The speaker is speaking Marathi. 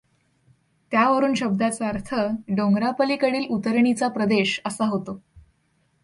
त्यावरून शब्दाचा अर्थ डोंगरापलीकडील उतरणीचा प्रदेश असा होतो.